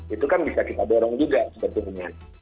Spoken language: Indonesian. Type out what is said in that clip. itu kan bisa kita dorong juga sebetulnya